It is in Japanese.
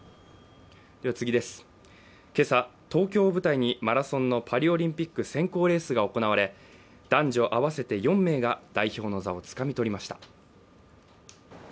今朝、東京を舞台にマラソンのパリオリンピック選考レースが行われ男女合わせて４名が代表の座をつかみ取りました。